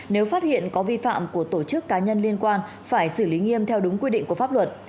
nếu phát hiện có vi phạm của tổ chức cá nhân liên quan phải xử lý nghiêm theo đúng quy định của pháp luật